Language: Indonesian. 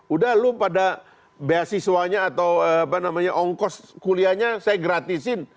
udah lu pada beasiswanya atau ongkos kuliahnya saya gratisin